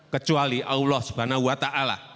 kecuali allah subhanahu wa ta'ala